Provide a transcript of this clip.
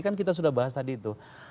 kan kita sudah bahas tadi itu